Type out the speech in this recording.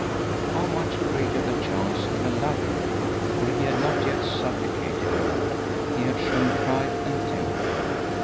How much greater the chance of a lover! For he had not yet supplicated her: he had shown pride and temper.